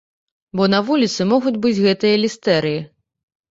Бо на вуліцы могуць быць гэтыя лістэрыі.